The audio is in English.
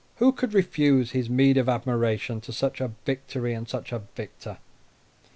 Who could refuse his meed of admiration to such a victory and such a victor?